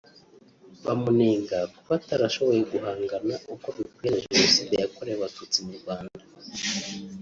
Bamunenga kuba atarashoboye guhangana uko bikwiye na Jenoside yakorewe abatutsi mu Rwanda